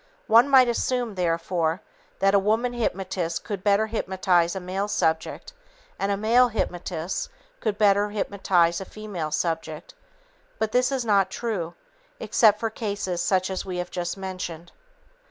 One might assume, therefore, that a woman hypnotist could better hypnotize a male subject, and a male hypnotist could better hypnotize a female subject, but this is not true except for cases such as we have just mentioned.